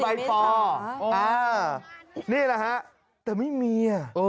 นี่แหละฮะแต่ไม่มีอ่ะ